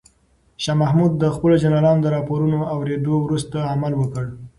شاه محمود د خپلو جنرالانو د راپورونو اورېدو وروسته عمل وکړ.